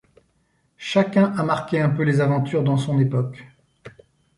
Chacun a marqué un peu les aventures dans son époque.